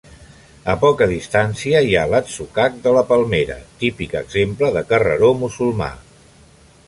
A poca distància hi ha l'atzucac de la Palmera, típic exemple de carreró musulmà.